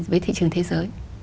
với thị trường thế giới